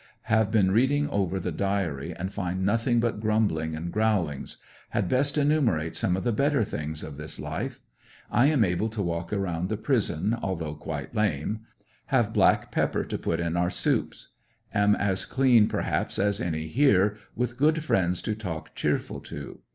Have been reading over the diary, and find nothing but grumbling and growlings. Had best enumerate some of the better things of this life. I am able to walk around the prison, although quite lame. Have black pepper to put in our soups. Am as clean per haps as any here, with good friends to talk cheerful to.